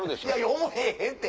思えへんて！